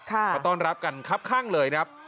เขาต้อนรับกันครับข้างเลยครับ